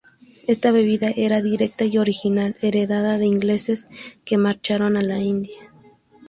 Esta bebida era directa y original heredera de ingleses que marcharon a la India.